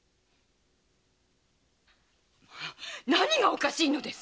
何がおかしいのです